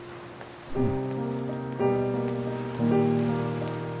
うん。